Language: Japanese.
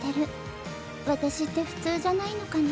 私って普通じゃないのかな。